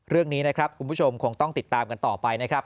เรื่องนี้นะครับคุณผู้ชมคงต้องติดตามกันต่อไปนะครับ